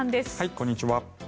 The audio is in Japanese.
こんにちは。